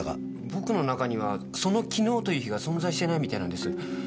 僕の中にはその昨日という日が存在してないみたいなんです。